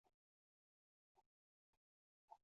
泰特斯维尔为布拉瓦县的行政中心。